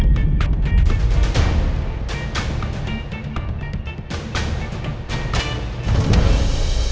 saya memang harus dihukum